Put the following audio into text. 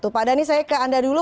pak dhani saya ke anda dulu